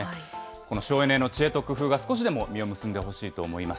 この省エネの知恵と工夫が少しでも実を結んでほしいと思います。